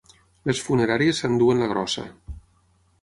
Les funeràries s'enduen la grossa.